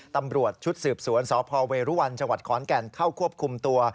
ตำรวจชุดสืบสวนสเวรุวัลจคอนแก่นเข้าควบคุมตัว